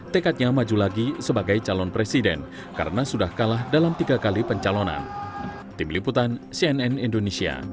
tekadnya maju lagi sebagai calon presiden karena sudah kalah dalam tiga kali pencalonan